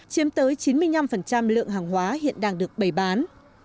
chiếm tới chín mươi năm lượng hàng hóa hiện đang được bày bán